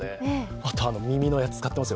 あと、耳のやつ使ってますよ。